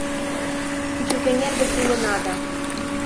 Кӱчыкэҥер гыч улына да.